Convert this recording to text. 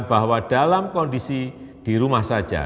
bahwa dalam kondisi di rumah saja